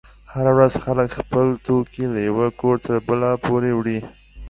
هره ورځ خلک خپل توکي له یوه کوره تر بله پورې وړي.